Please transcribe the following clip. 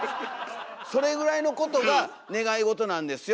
それぐらいのことが願いごとなんですよ。